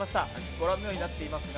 ご覧のようになっていますが。